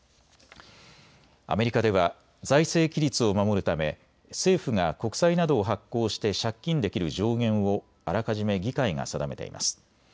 アメリカでは財政規律を守るため政府が国債などを発行して借金できる上限をあらかじめ議会が定めています。